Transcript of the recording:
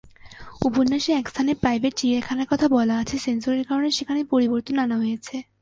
উপন্যাসে এক স্থানে প্রাইভেট চিড়িয়াখানার কথা বলা আছে, সেন্সরের কারণে সেখানে পরিবর্তন আনা হয়েছে।